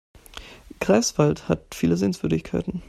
Greifswald hat viele Sehenswürdigkeiten